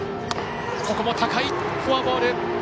ここも高い、フォアボール。